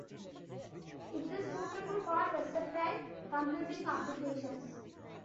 It is suitable for versatile computing applications.